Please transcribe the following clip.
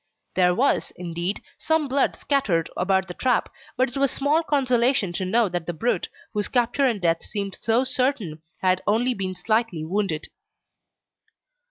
There was, indeed, some blood scattered about the trap, but it was small consolation to know that the brute, whose capture and death seemed so certain, had only been slightly wounded.